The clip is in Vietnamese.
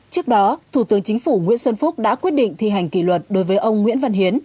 trước đó thủ tướng chính phủ nguyễn xuân phúc đã quyết định thi hành kỷ luật đối với ông nguyễn văn hiến